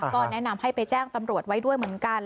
ก็แนะนำให้ไปแจ้งตำรวจไว้ด้วยเหมือนกัน